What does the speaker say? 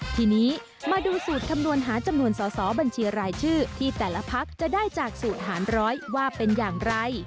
ทีนี้มาดูสูตรคำนวณหาจำนวนสอสอบัญชีรายชื่อที่แต่ละพักจะได้จากสูตรหารร้อยว่าเป็นอย่างไร